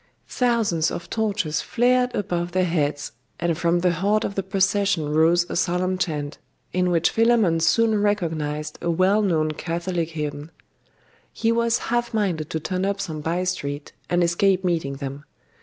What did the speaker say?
Thousands of torches flared above their heads, and from the heart of the procession rose a solemn chant, in which Philammon soon recognised a well known Catholic hymn. He was half minded to turn up some by street, and escape meeting them.